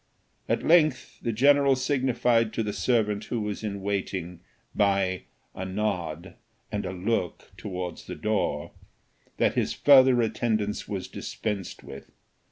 At length the general signified to the servant who was in waiting, by a nod, and a look towards the door, that his further attendance was dispensed with.